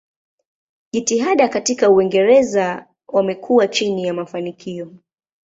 Jitihada katika Uingereza wamekuwa chini ya mafanikio.